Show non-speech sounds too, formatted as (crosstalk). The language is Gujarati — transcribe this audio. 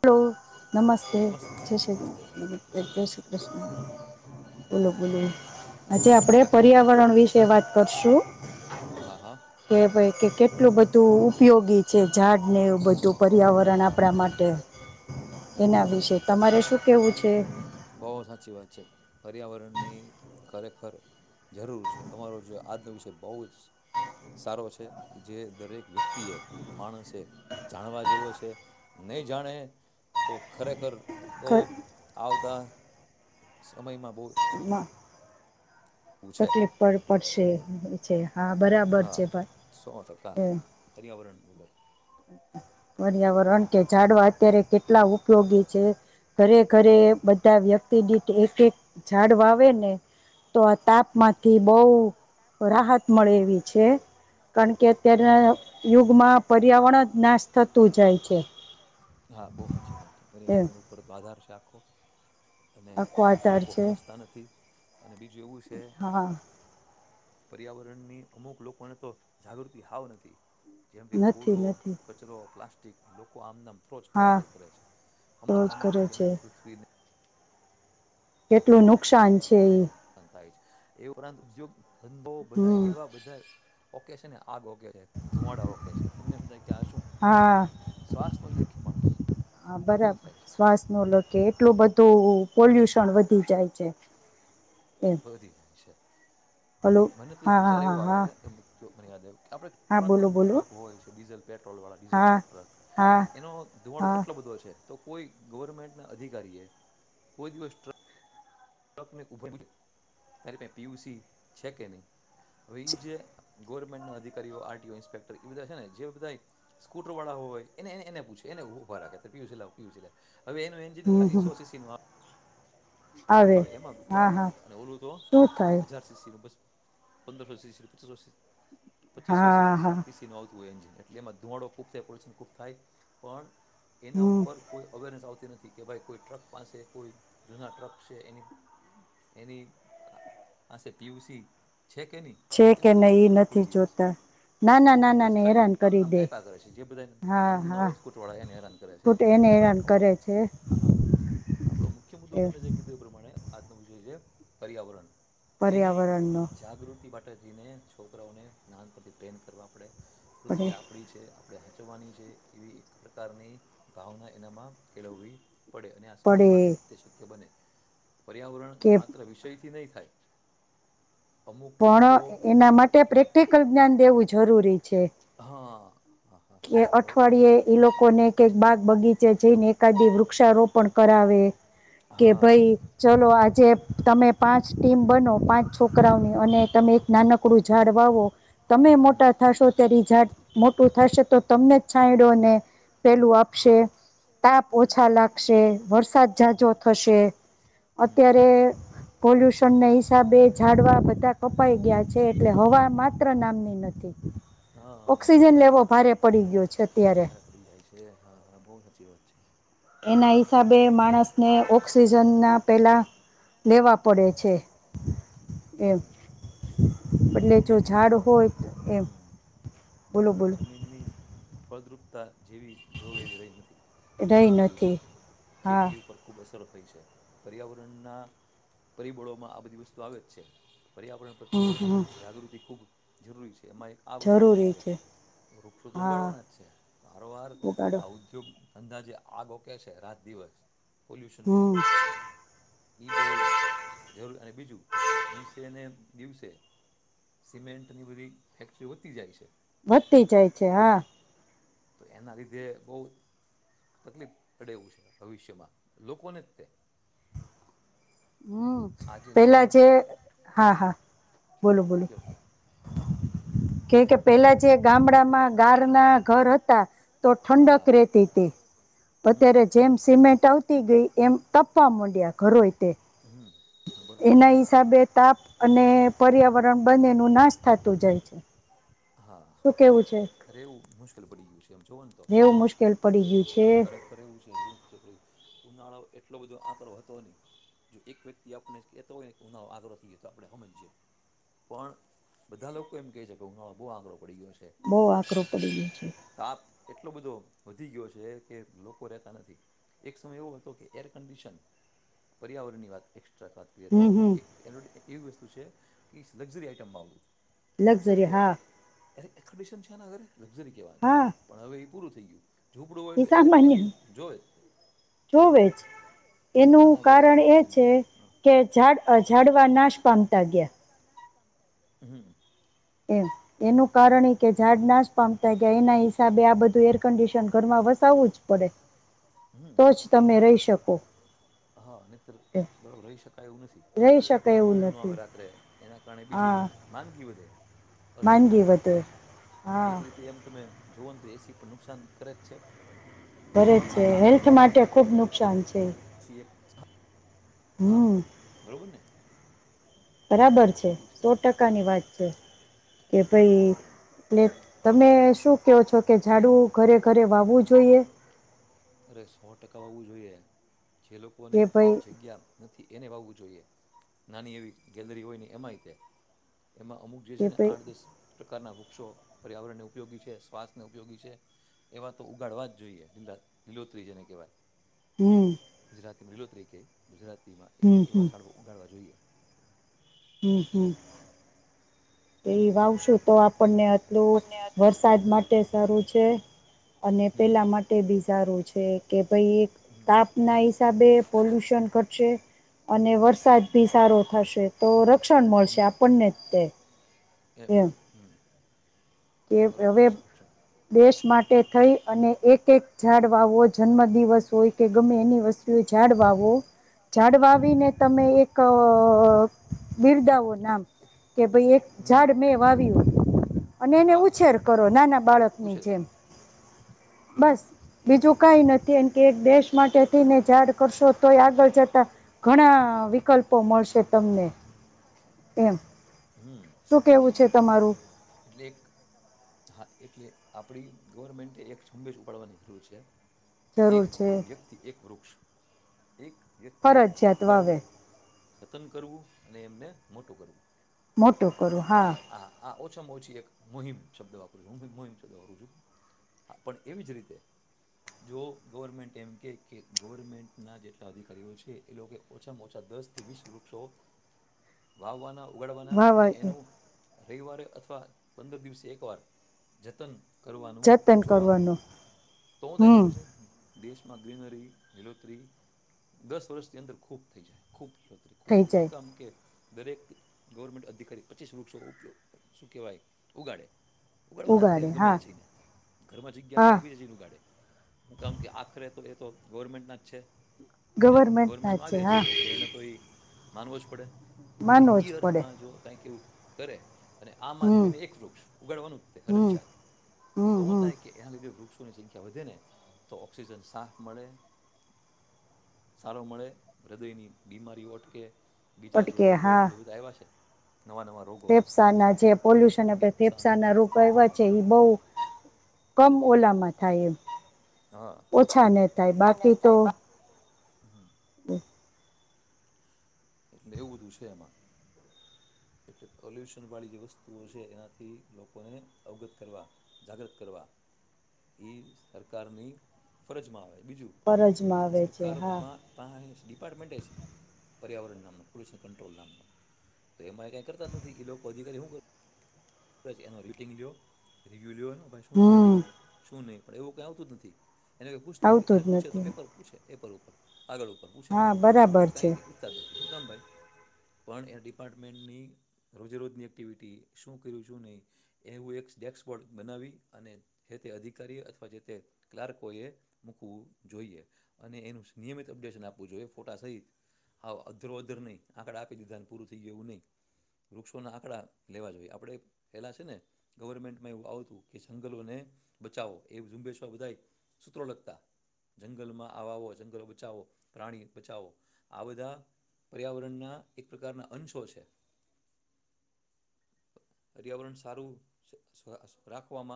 હલો નમસ્તે, જય શ્રી જય શ્રી કૃષ્ણ, બોલો-બોલો. આજે આપડે બસ પર્યાવરણ વિશે વાત કરશું, હા હા કે ભાઈ કે એટલું બધું ઉપયોગી જે ઝાડને એવું બધું પર્યાવરણ હા આપણા હા માટે એના બરોબર વિશે તમારે તરે શું કેવું છે? બહુ સાચી વાત છે. પર્યાવરણની ખરેખર જરૂર છે. તમારો જે આજનો વિષય બહુ જ સારો છે. જે દરેક વ્યક્તિએ માણસે જાણવા જેવો છે, નહીં જાણે તો ખરેખર બહુ જ આવ તા સમયમાં બહુ ઘરમાં એવું છે તકલીફ પ પડશે (unintelligible) હા બરાબર હા છે ભાઈ. હમ્મ. ફોરણ વગર. એમ છે પર્યાવરણ કે જાડવા ત્યારે કેટલા ઉપયોગી છે ઘરે-ઘરે હમ બધા વ્યક્તિ દીઠ એક-એક ઝાડ વાવે ને તો આ તાપમાંથી બહુ રાહત મળે એવી છે, કારણ કે અત્યારના હમ યુગમાં પર્યાવરણ જ નાશ થતું જાય છે એમ. દર્શ આખો અને આખો આધાર લોકો છે હમજતા નથી. અને બીજું એવું છે હા. પર્યાવરણની અમુક લોકોને તો જાગૃતિ હાવ નથી. જેમ કે નથી કુડો, નથી કચરો, પ્લાસ્ટિક જી લોકો આમનમ (unintelligible) કરે હા છે, રોજ હમજતા નથી કરે કે છે એને પૃથ્વીને કેટલું નુકસાન, છે ઈ. નુકસાન થાય છે, એ ઉપરાંત ઉદ્યોગ. અનુભવો બધા હમ એવા બધા ઓ કે છે ને આ આગ ઓકે છે, ધુવાડા ઓકે છે. તમને એમ થાય કે આ શું? હા શ્વાસ નો લેઈ હકે માણસ. હા કેવું બરાબર થાય છે. શ્વાસ ન લો કે એટલું બધું પોલ્યુશન વધી જાય છે. એમ વધી જાય છે. હલો મને તો એક હા હા વિચાર હા એવો આવે હા છે (unintelligible) મને યાદ આયવું આપડે હા ટ્રક બોલો હોય ને બોલો ટ્રક હોય છે. ડીઝલ પેટ્રોલ વાળા ડીઝલ જે હા ટ્રક. હા એનો ધુવાડો હા કેટલો બધો છે. તો કોઈ ગવર્મેન્ટના અધિકારીએ કોઈ દિવસ ટ્રક ટ્રકને ઊભું (unintelligible) તારી પાંહે પી યુ સી છે કે નહીં? હવે ઈ જે. ગવર્મેન્ટના અધિકારીઓ આર ટી ઓ ઇન્સ્પેક્ટર એ બધા છે ને જે બધાય સ્કૂટરોવાળા હોય એને એને એને પૂછે, એને ઊભ ભા રાખે, (unintelligible) પી યુ સી લાવ પી યુ સીી લા હવે એનું એન્જિન હમ ખાલી હમ સો સી સીનું આ આવે અવે એમાં હા હા (unintelligible) અને ઓલું તો શું થાય હજાર સી સી નું બસ પંદરસો સી સી (unintelligible) પચીસો સી હા હા સી સી નુ આવ હોય જ, એટલે એમાં ધુમાડો ખુબ થાય, પોલ્યુશન ખુબ થાય, પણ એના હમ ઉપર કોઈ અવેરનેસ આવતી નથી. કે ભાઈ કોઈ ટ્રક પાસે કોઈ જૂના ટ્રક સે એની એની આ આ સે પી યુ સી છે કે નઈ છે કે એવું કોઈ નહી એ પૂછતું નથી કોઈ દિવસ, જોતા ના ના ના ના બસ ને ખાલી હેરાન આમ કરી નામ દે આય્પા કરે છે જે બધાય આ હા નામના હા હોય ને કોટવાળા એને હેરાન કરે છે ખોટ એને પણ હેરાન કરે આપણો છે આ આપણો મુખ્ય મુદ્દો એ તમે જે આપણે આજનો વિષય છે પર્યાવરણ. એની પર્યાવરણનો જાગૃતિ માટે (unintelligible) ને છોકરાઓને નાનપનથી ટ્રેન કરવા પડે. પડે પૃથ્વી આપડી છે. આપડે હાચવવાની છે એવી પ્રકારની ભાવના એનામાં કેળવવી પડે અને આ પડે સ્કૂલમાંથી તે શક્ય બને. પર્યાવરણ કે માત્ર વિષયથી નઈ થાય. અમુક લોકો પણ, એના માટે હા પ્રેક્ટિકલ જ્ઞાન દેવું જરૂરી છે. હા હા હા કે હા બરોબર અઠવાડિયે સર ઈ લોકોને કેક બાગ બગીચે જઈને એકાદી વૃક્ષારોપણ કરાવે, કે ભ હા ચલો આજે તમે પાંચ ટીમ બનો, પાંચ છોકરાઓની, અને તમે એક નાનકડું ઝાડ વાવો, તમે હમ મોટા થશો ત્યારે ઝાડ મોટું થાશે આપશે તાપ ઓછા લાગશે વરસાદ ઝાઝો થશે (inaudible) હમ અત્યારે પોલ્યુશન ના હિસાબે ઝાડવા બધા કપાઈ ગયા છે એટલે હવા માત્ર નામની નથી ઓક્સિજન લેવો ભારે પડી ગયો છે અત્યારે મારે પડી જાય છે હા હા બહુ સાચી વાત છે. એના હિસાબે માણસ ને ઓક્સિજ વજન ના પેલા લેવા પડે છે એમ હમ એટલે જો જમીનની ઝાડ હોય તો એમ હમ બોલો બોલો. ખદ્રુપતા જેવી જોવે એવી રહી નથી ઓછી રહી થઈ ગઈ છે નથી હા ખેતી ઉપર ખૂબ અસરો પર્યાવરણના પરિબળોમાં આ બધી વસ્તુ આવે જ છે. પર્યાવરણ હં પ્રત્યે હં જાગૃતિ ખૂબ જરૂરી છે. એમાં એક આ વસ્તુ પણ છે વૃક્ષો તો હા ઉગાડવાના જ છે સારવાર ઉગાડો આ ઉદ્યોગ અંદાજે આગો કે છે રાત દિવસ પોલ્યુશનની હં એઈ બહ જરૂરી અને બીજું દિવસેને દિવસે સિમેન્ટની બધી ફેક્ટરીઓ વધતી જાય છે. વધતી જાય છે હા. તો એના લીધે બહુ તકલીફ પડે એવું છે ભવિષ્યમાં લોકોને જ તે. હા આજે પેલા સિમેન્ટ છે હા હા બોલો બોલો કયો કયો કે કે પહેલાં જે ગામડામાં ગારના ઘર હતા તો ઠંડક રહેતી હતી અત્યારે જેમ સિમેન્ટ આવતી ગઈ એમ તપવા માંડ્યા ઘરોય તે (inaudible) એના હિસાબે તાપ અને પર્યાવરણ બંનેનું નાશ થતું જાય છે (inaudible) હા, શું કેવું અરે! એવું મુશ્કેલ પડી ગયું છે, એમ જો. એવું મુશ્કેલ પડી ગયું છે. ખરેખર એવું છે રેવું મુશ્કેલ પડી ગયું ઉનાળો એટલો બધો આકરો હતો. નહીં, જો એક વ્યક્તિ આપણને કહેતો હોય ને કે ઉનાળો આકરો છે, તો આપણે સમજીએ. પણ બધા લોકો એમ કહે છે કે ઉનાળો બહ આંકો પડી (unintelligible) ગયો છે બહ આકરું પડી ગય છે. તાપ એટલો બધો વધી ગયો છે. કે લોકો રહેતા નથી એક સમય એવો હતો કે એર કંડિશન પર્યાવરણની વાત એ વાત કરીએ તો હમ હમ એક એ એવી વસ્તુ છે ક લક્ઝરી આઇટમમાં આવું લક્ઝરી હા એક્સડિશન છે. ને અરે લઝરી કેવો હતો, પણ હવે એ પૂરું થયું. થયું. ઈ સામાન્ય. જોવે જ એનું બધાના ઘરે એર કારણ એ કન્ડિશન છે, જોવે હા કે ઝાડ ઝાડવા નાશ પામતા ગ્યા. હમ. એમ, એનું કારણ ઈ, કે હા ઝાડ હા નાશ પામતા ગ્યા, એના હિસાબે આ બધું એર કંડિશન ઘરમાં વસાવવું જ પડે. હં, તો જ તમે રહી શકો હા, એમ બરોબર રહી શકાય એવું નથી, રહી શકે એવું ઊંઘ નો આવે નથી રાત્રે, એના કારણે બીજી હા માંદગી વધે. અર્થ માંદગી વગરની, વધે અને હા એક રીતે એમ તમે જોવોન તો, એ સી પણ નુકસાન કરે જ છે. બરે જ પણ તે હેલ્થ માટે ખૂબ નુકસાન સાંજ છે સી એફ (unintelligible) હા, હમ બરોબર ને બરાબર છે સો ટકાની વાત છે, કે ભાઈ હમ એટલે તમે શું કહો, છો જાડુ ઘરે ઘરે વાવવું જોઈએ અરે સો ટકા વાવું જોઈએ જે લોકોને કે ભાઈ જગ્યા નથી એને વાવું જોઈએ, નાની એવી ગેલરી હોય નહી એમ આઈ કે એમાં અમુક જે કે છે ને ભાઈ આઠ, દસ, પ્રકારના વૃક્ષો પર્યાવરણને ઉપયોગી છે, શ્વાસને ઉપયોગી છે, એવા તો ઉગાડવા જ જોઈએ લીલા લીલોત્રી જેને કહેવાય. હમ. લીલો તરીકે ગુજરાત એ હમ એવા શાળો ઉગાડવા જોઈએ. હમ્ હમ. એ વાવશો તો આપણને એટલું વરસાદ માટે સારું છે અને હમ પહેલાં માટે બી સારું છે. છે કે. ભઈ હમ તાપના હિસાબે પોલ્યુશન ઘટશે અને વરસાદ હમ ભી સારો થશે તો રક્ષણ મળશે હમ આપણને જ તે. એમ એમ હમ્મ. કે હવે દેશ માટે થઈ અને એક-એક જાઝાડ વાવો જન્મદિ દિવસ હોય કે ગમે એની વસ્તુ ઝાડ વાવો. ઝાડ વાવીને તમે એક બિરદાવો નામ કે ભાઈ એક હમ ઝાડ મેં વાવ્યું. અને એને હા ઉછેર કરો નાના બાળકની ઉછેર જેમ. કરો બસ હમ બીજું કઈ નથી એમ કે એક દેશ માટે તેને ઝાડ કરશો તો આ આગળ જતા ઘણા વિકલ્પો મળશે તમને. એમ. હમ શું કેવું છે તમારું? એટલે એક હા શું કેવું છે તમારુ? એટલે આપડી ગવર્મેન્ટ એક ઝુંબેશ ઉપાડવાની જરૂર છે. જરૂર એક છે વ્યક્તિ એક વૃક્ષ. એક વ્યક્તિએ એક ફરજિયાત વાવે ઉગાડવું, જતન કરવું અને એમને મોટું કરવું. મોટો કરું આ હા. આ આ ઓછામાં ઓછી એક મોહિમ શબ્દ વાપરું છું. હું બી મોહીમ શબ્દ વાપરું છું પણ એવી જ રીતે જો ગવર્મેન્ટ એમ કે કે ગવર્મેન્ટના જેટલા અધિકારીઓ છે, એ લોકો ઓછામાં ઓછા દસ થી વીસ વૃક્ષો વાવવાના ઉગાડવાના અને વાવા એનું રવિવારે અથવા અથવા પંદર દિવસે એક વાર જતન કરવાનું, જતન જોવાનું કરવાનું જતન કરવાનું તો હું થાય કે હમ ખબર છે દેશમાં ગ્રીનરી લીલોતરી દસ વર્ષની અંદર ખૂબ થઈ જાય ખૂબ (unintelligible) ખૂબ થઈ થાય, શું જાય કામ કે દરેક ગવર્મેન્ટ અધિકારી પચીસ વૃક્ષો ઉપયોગ શું કેવાય, ઉગાડે. ઉગાડવા ના જ ઉગાડે તેને, ગમે હા જઈને ઘર જગ્યા ન હા હોય બીજે જઈને ઉગાડે હું કેમ કે આખરે તો તો ગવર્મેન્ટના જ છે. અને ગવર્મેન્ટ ગવર્મેન્ટના નો જ આદેશ હા છે એટલે એને તો ઈ માનવુ જ પડે. એટલે માનવું જ ઈ પડે અર્થમાં જો કાયક એવુ કરે અને આમ હમ આદમીને એક વૃક્ષ ઉગાડવાનું જ હમ હરજિયાત હમ તો હું હમ થાય કે એના લીધે વૃક્ષ વ્રુક્ષો ની સંખ્યા વધે ને તો, ઓક્સિજન સાફ મળે, સારો મળે, હૃદયની બીમારીઓ અટકે. બીજા જે અટકે રોગો હા જે બધા આયવા છે નવા નવા રોગો ફેસા ના જે પોલ્યુશન ફેફસા ફેફસાના ના રોગ આવવા હા છે બહુ. કમ ઓલામાં થાય એમ. હા ઓછા નને થાય બાકી તો. હમ. હ. એવું બધું છે એમાં. એટલે પોલ્યુશન વાળી જે વસ્તુઓ છે એનાથી લોકોને અવગત કરવા જાગ્રત કરવા સરકારની ફરજમાં આવે છે. બીજું ફરજમાં આવે છે હા સરકારમાં પા ડિપાર્ટમેન્ટ છે. પર્યાવરણ નામનો પોલ્યુશન કંટ્રોલ નામનો. તો એમાં કંઈ કરતા નથી એ લોકો અધિકારી શું ક એનો રિવટિંગ લયો રિવ્યુ લ લો ભઈ શું તમે હમ કર્યું શું નહીં. પણ એવું કઈ આવતું જ નથી. એને કોઈ પૂછતું નથી આવતું અને જ પૂછે તો પેપર પૂછે. પેપર ઉપર કાગળ ઉપર પૂછે હા બાકી બરાબર છે કઈ પૂછતા જ નથી હું કામ ભાઈ. પણ એ ડિપાર્ટમેન્ટની રોજેરોજની એક્ટિવિટી શું કર્યું છું નહીં એવું એક ડેક્સ્બોર્ડ બનાવી અને જે તે અધિકારી અથવા જે તે ક્લાર્કોએ મૂકવું જોઈએ અને એનું નિયમિત અપડેશન આપવું જોઈએ ફોટા સહિત આ અધરો અધર નહીં આંકડા આપી દીધાને પૂરું થઈ ગવું નહીં વૃક્ષોના આંકડા લેવા જોઈએ આપણે. થલા છે ને ગવર્મેન્ટમાં એવું આવતું કે જંગલોને બચાવો એ ઝુંબેશો બધા સૂત્રો લગતા જંગલમાં આવો જંગલો બચાવો પ્રાણી બચાવો આ બધા પર્યાવરણના એક પ્રકારના અંશો છે. પર્યાવરણ સારું રાખવામાં